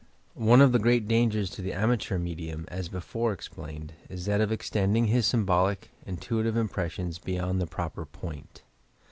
One of the great dangers to the ama teur medium, as before explained, is that of extending bis symbolic, intuitive impressions beyond the proper point.